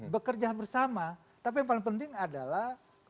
bekerja bersama tapi yang paling penting adalah